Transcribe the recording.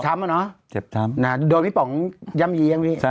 มันเจ็บช้ำอ่ะเนอะโดยมิป๋องย่ำยียังพี่เจ็บช้ำ